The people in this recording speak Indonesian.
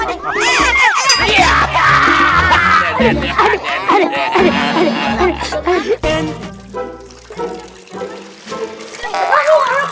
aduh aduh aduh aduh